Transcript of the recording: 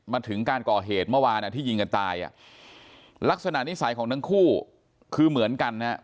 มาถึงการก่อเหตุเมื่อวานอ่ะที่ยิงกันตายอ่ะลักษณะนิสัยของทั้งคู่คือเหมือนกันฮะ